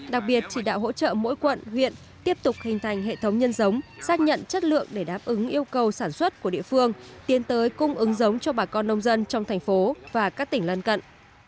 đặc biệt chỉ đạo hỗ trợ mỗi quận huyện tiếp tục hình thành hệ thống nhân giống xác nhận chất lượng để đáp ứng yêu cầu sản xuất của địa phương tiến tới cung ứng giống cho bà con nông dân trong thành phố và các tỉnh lân cận